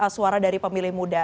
suara dari pemilih muda